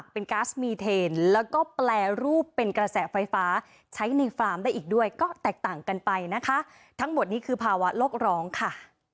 โปรดติดตามตอนต่อไป